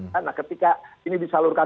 karena ketika ini disalurkan